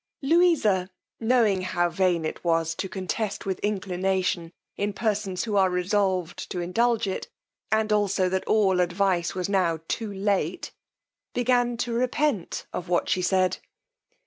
Louisa knowing how vain it was to contest with inclination, in persons who are resolved to indulge it, and also that all advice was now too late, began to repent of what she said.